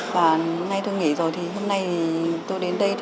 và ngay tôi nghỉ rồi hôm nay tôi đến đây